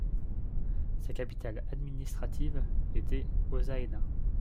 Sa capitale administrative était Hosaena.